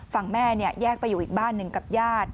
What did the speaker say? ฝั่งแม่แยกไปอยู่อีกบ้านหนึ่งกับญาติ